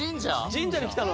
神社に来たの？